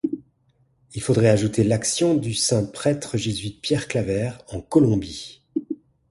Il faudrait ajouter l'action du saint prêtre jésuite Pierre Claver, en Colombie.